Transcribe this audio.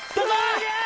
すげえ！